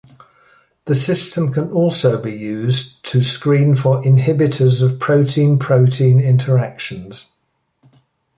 The system can also be used to screen for inhibitors of protein-protein interactions.